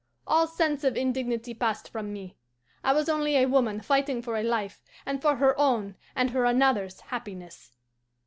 All sense of indignity passed from me. I was only a woman fighting for a life and for her own and her another's happiness.